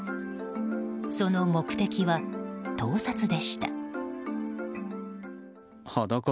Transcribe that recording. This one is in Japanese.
その目的は、盗撮でした。